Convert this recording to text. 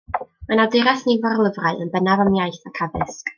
Mae'n awdures nifer o lyfrau, yn bennaf am iaith ac addysg.